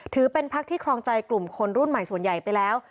ถือเป็นพักที่ครองใจกลุ่มคนรุ่นใหม่ส่วนใหญ่ไปแล้ว